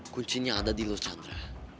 kuncinya ada di los chandra